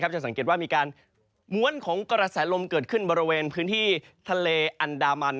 จะสังเกตว่ามีการม้วนของกระแสลมเกิดขึ้นบริเวณพื้นที่ทะเลอันดามัน